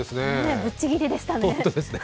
ぶっちぎりでしたね。